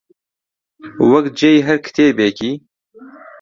وەک جێی هەر کتێبێکی